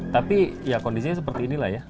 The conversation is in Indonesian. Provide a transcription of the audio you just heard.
tapi ya kondisinya seperti inilah ya